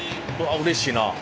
うれしいな。